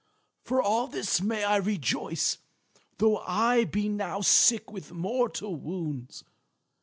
For all this may I rejoice, though I be now sick with mortal wounds.